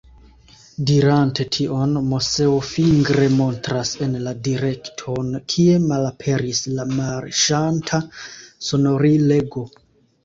Dirante tion, Moseo fingre montras en la direkton, kie malaperis la marŝanta sonorilego.